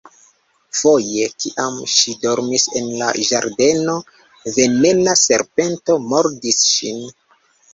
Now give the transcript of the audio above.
Foje, kiam ŝi dormis en la ĝardeno, venena serpento mordis ŝin.